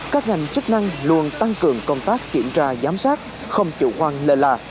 các ngành chức năng luôn tăng cường công tác kiểm tra giám sát không chủ quan lệ lạ